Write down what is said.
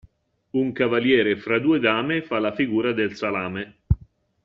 Un cavaliere tra due dame fa la figura del salame.